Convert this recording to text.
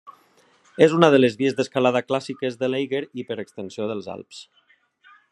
És una de les vies d'escalada clàssiques de l'Eiger i per extensió dels Alps.